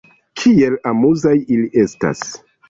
Kiel amuzaj ili estas!